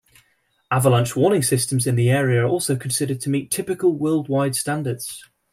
Avalanche warning systems in the area are also considered to meet typical worldwide standards.